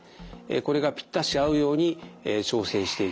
これがぴったし合うように調整していきます。